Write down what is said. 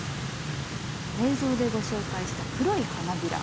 映像でご紹介した「黒い花びら」。